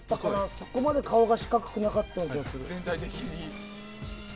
そこまで顔は四角くなかった気がする。